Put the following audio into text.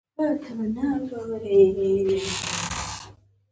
د ويښتانو ږمنځول د ښکلا او پاکوالي لپاره اړين دي.